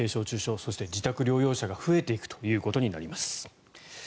そして、自宅療養者が増えていくということになります。